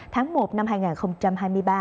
tháng một năm hai nghìn hai mươi ba